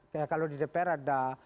kayak kalau di dpr ada